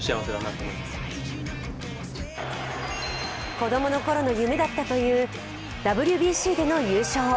子供の頃の夢だったというＷＢＣでの優勝。